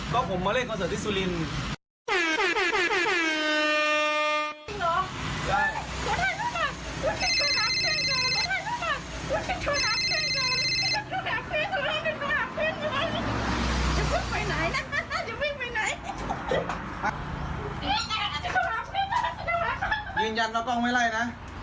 ของหมายใครค่ะ